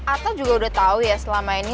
ata juga udah tau ya selama ini